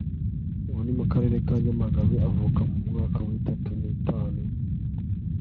ubu ni mu karere ka nyamagabe, avuka mu mwaka w'itatu n'itanu